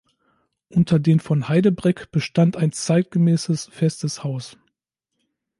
Unter den von Heydebreck bestand ein zeitgemäßes Festes Haus.